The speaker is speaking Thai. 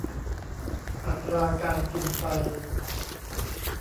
อัตราการกินไฟ